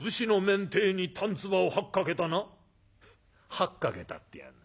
『吐っかけた』ってやがる。